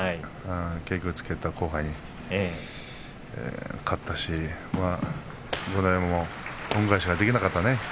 稽古をつけた後輩に勝ったし恩返しができなかったね。